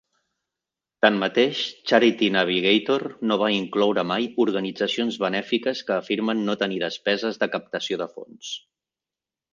Tanmateix, Charity Navigator no va incloure mai organitzacions benèfiques que afirmen no tenir despeses de captació de fons.